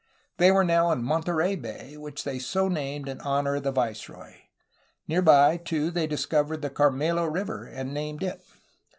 They were now in Monterey Bay, which they so named in honor of the viceroy. Near by, too, they discovered the Carmelo River, and named it.